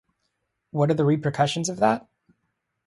What are the repercussions of that?